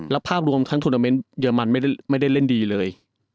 แล้วภาพรวมทางธุรกิจเยอร์มันไม่ได้เล่นดีเลย